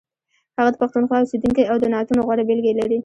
هغه د پښتونخوا اوسیدونکی او د نعتونو غوره بېلګې لري.